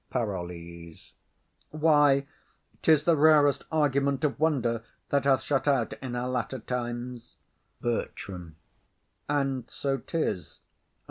PAROLLES. Why, 'tis the rarest argument of wonder that hath shot out in our latter times. BERTRAM. And so 'tis.